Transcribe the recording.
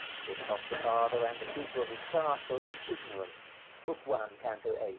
His foster father and the keeper of his castle is Ignorance. (Book I. canto VIII.)